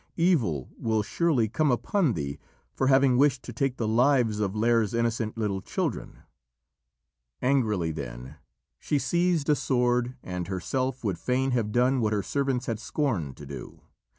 Evil will surely come upon thee for having wished to take the lives of Lîr's innocent little children." Angrily, then, she seized a sword and herself would fain have done what her servants had scorned to do.